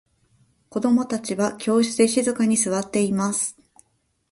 子供達は教室で静かに座っています。